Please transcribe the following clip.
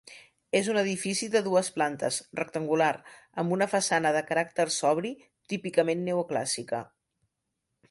És un edifici de dues plantes, rectangular amb una façana de caràcter sobri típicament neoclàssica.